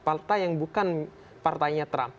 partai yang bukan partainya trump